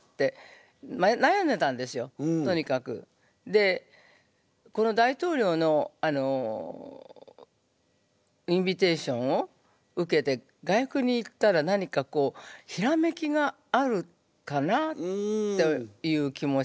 でこの大統領のインビテーションを受けて外国に行ったら何かこうひらめきがあるかなという気持ちで。